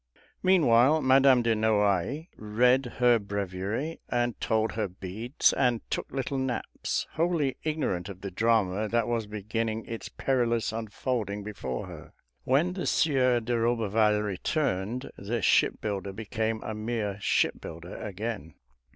Meanwhile Madame de Noailles read her breviary and told her beads and took little naps, wholly ignorant of the drama that was beginning its perilous unfolding before her. When the Sieur de Roberval returned, the shipbuilder became a mere shipbuilder again.